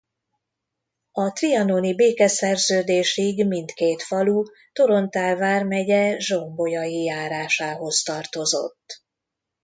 A trianoni békeszerződésig mindkét falu Torontál vármegye Zsombolyai járásához tartozott.